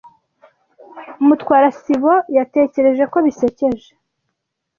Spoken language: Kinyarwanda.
Mutwara sibo yatekereje ko bisekeje.